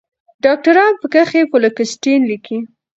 ډاکټران پکښې فلوکسیټين لیکي